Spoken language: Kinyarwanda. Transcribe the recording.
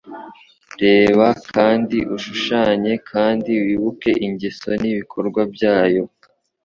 reba kandi ushushanye kandi wibuke ingeso n'ibikorwa byayo